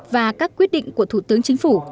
và các quyết định của thủ tướng chính phủ